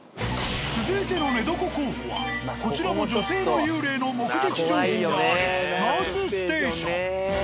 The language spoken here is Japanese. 続いての寝床候補はこちらも女性の幽霊の目撃情報があるナースステーション。